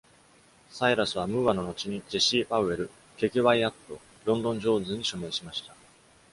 サイラスはムーアの後にジェシーパウエル、ケケワイアット、ロンドンジョーンズに署名しました。